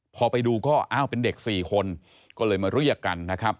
พอไปดูก็อ้าวเป็นเด็ก๔คนก็เลยมาเรียกกันนะครับ